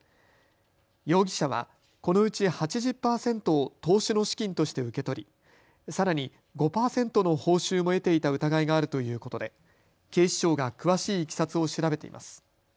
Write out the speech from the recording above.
容疑者はこのうち８０％を投資の資金として受け取りさらに５％の報酬も得ていた疑いがあるということで警視庁が詳しいいきさつを調べています。